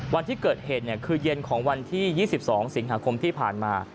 วันที่เกิดเหตุคือเย็นของวันที่๒๒สิงหาคมที่ผ่านมา